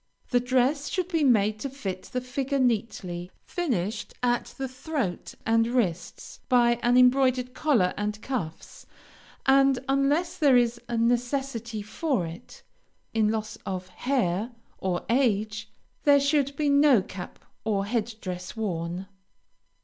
The dress should be made to fit the figure neatly, finished at the throat and wrists by an embroidered collar and cuffs, and, unless there is a necessity for it, in loss of the hair or age, there should be no cap or head dress worn.